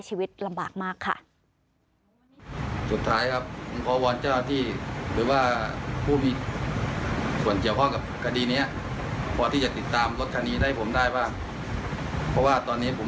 ชีวิตลำบากมากค่ะ